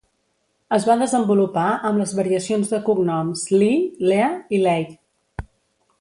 Es va desenvolupar amb les variacions de cognoms Lee, Lea i Leigh.